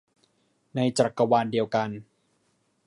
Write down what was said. ในจักรวาลเดียวกัน